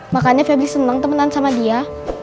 makanya febri senang temenan sama dia